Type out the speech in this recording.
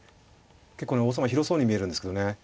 結構ね王様広そうに見えるんですけどね